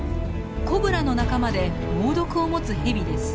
コブラの仲間で猛毒を持つヘビです。